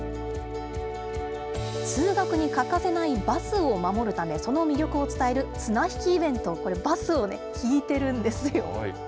通学に欠かせないバスを守るため、その魅力を伝える綱引きイベント、これ、バスを引いてるんですよ。